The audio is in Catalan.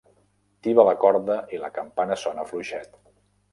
Tiba la corda i la campana sona fluixet.